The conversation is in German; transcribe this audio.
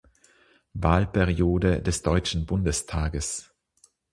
Wahlperiode des Deutschen Bundestages.